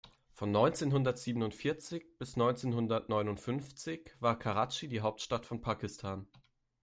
Von neunzehnhundertsiebenundvierzig bis neunzehnhundertneunundfünfzig war Karatschi die Hauptstadt von Pakistan.